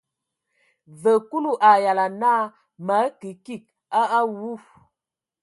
Vǝ Kulu a yalan naa: Mǝ akə kig a awu.